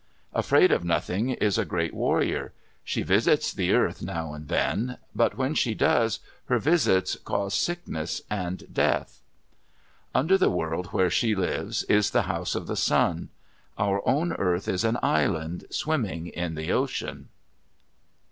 Afraid of Nothing is a great warrior. She visits the earth now and then; but when she does, her visits cause sickness and death. Under the world where she lives is the House of the Sun. Our own earth is an island swimming in the ocean.